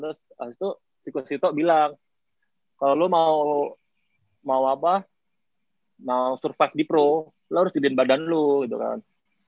terus pas itu si kusito bilang kalo lu mau apa mau survive di pro lu harus didiin badan lu gitu kan